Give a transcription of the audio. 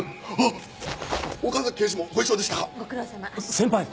先輩！